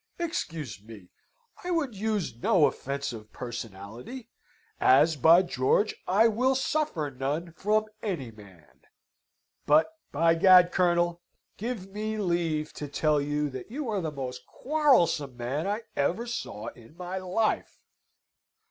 Excuse me, I would use no offensive personality, as, by George! I will suffer none from any man! but, by Gad, Colonel! give me leave to tell you that you are the most quarrelsome man I ever saw in my life.